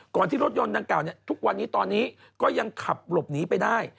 ที่รถยนต์ดังกล่าวทุกวันนี้ตอนนี้ก็ยังขับหลบหนีไปได้